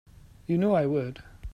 You know I would.